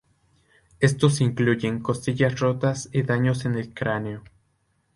Estos incluyen costillas rotas y daños en el cráneo.